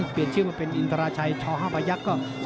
เปลี่ยนชื่อมาเป็นอินทราชัยช๕พยักษ์ก็